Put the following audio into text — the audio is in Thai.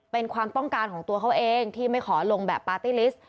เป็นความต้องการของตัวเขาเองที่ไม่ขอลงแบบปาร์ตี้ลิสต์